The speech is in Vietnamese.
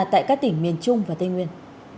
tại các tỉnh miền trung và tây nguyên